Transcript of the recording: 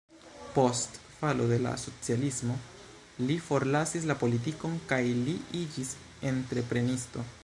Post falo de la socialismo li forlasis la politikon kaj li iĝis entreprenisto.